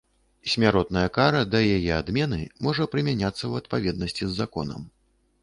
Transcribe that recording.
Смяротная кара да яе адмены можа прымяняцца ў адпаведнасці з законам